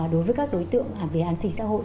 đối với các đối tượng về an sinh xã hội